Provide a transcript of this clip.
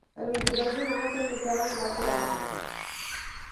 El vint-i-tres de maig en Miquel anirà al teatre.